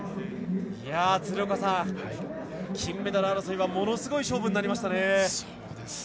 鶴岡さん、金メダル争いはものすごい勝負になりましたね。